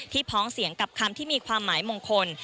พ้องเสียงกับคำที่มีความหมายมงคล